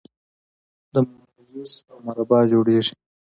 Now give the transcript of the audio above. د مڼو جوس او مربا جوړیږي.